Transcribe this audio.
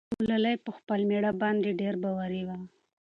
ګلالۍ په خپل مېړه باندې ډېر باوري وه.